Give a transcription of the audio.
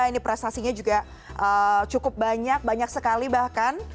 ini prestasinya juga cukup banyak banyak sekali bahkan